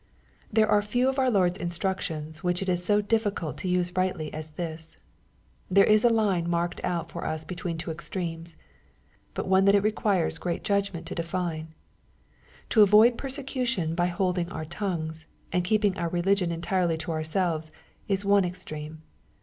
There are few of our Lord's instructions which it is so difficult to use rightly as this. There is a line marked out for us between two extremes ; but one that it re quires great judgment to define. To avoid persecution by holding our tongues, and keeping our religion entirely to ourselves, is one extreme.